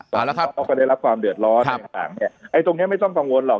ตอนนี้เขาก็ได้รับความเดือดร้อนตรงนี้ไม่ต้องกังวลหรอก